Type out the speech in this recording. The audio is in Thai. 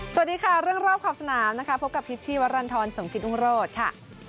สวัสดีค่ะเรื่องรอบขอบสนามนะครับพบกับทิศทรีย์วัตรรันทรสงคริสต์อุงโรธค่ะ